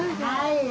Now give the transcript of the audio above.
はい。